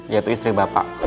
yaitu istri bapak